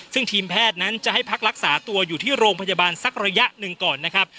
ซึ่งทีมแพทย์นั้นจะให้พักรักษาตัวอยู่ที่โรงพยาบาลสักระยะหนึ่งก่อนนะครับ